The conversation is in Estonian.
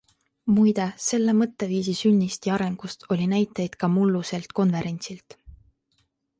Muide selle mõtteviisi sünnist ja arengust oli näiteid ka mulluselt konverentsilt.